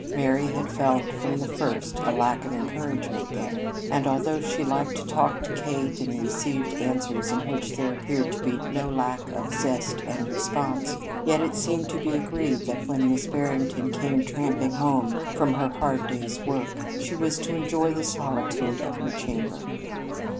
Mary had felt from the first a lack of encouragement there, and although she liked to talk to Kate, and received answers in which there appeared to be no lack of zest and response, yet it seemed to be agreed that when Miss Barrington came tramping home from her hard day's work, she was to enjoy the solitude of her chamber.